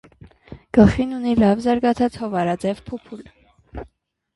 Գլխին ունի լավ զարգացած հովհարաձև փուփուլ։